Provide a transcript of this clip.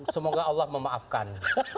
semoga allah memaafkan